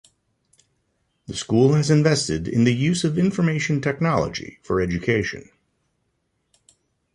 The school has invested in the use of Information Technology for education.